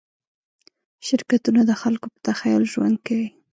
شرکتونه د خلکو په تخیل ژوند کوي.